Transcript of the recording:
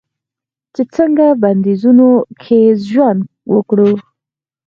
چې څنګه په بندیزونو کې ژوند وکړو.